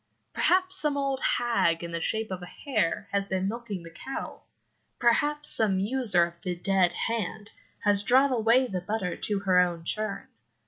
Perhaps some old hag in the shape of a hare has been milking the cattle. Perhaps some user of "the dead hand" has drawn away the butter to her own churn.